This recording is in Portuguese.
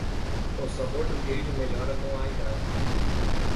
O sabor do queijo melhora com a idade.